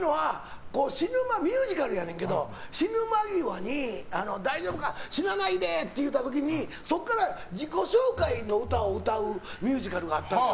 ミュージカルやねんけど死ぬ間際に大丈夫か、死なないでって言うた時にそこから自己紹介の歌を歌うミュージカルがあったの。